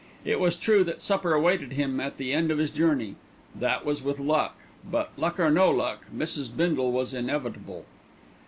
It was true that supper awaited him at the end of his journey that was with luck; but, luck or no luck, Mrs. Bindle was inevitable.